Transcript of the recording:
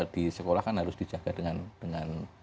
di sekolah kan harus dijaga dengan